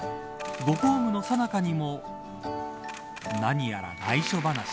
ご公務のさなかにも何やら内緒話。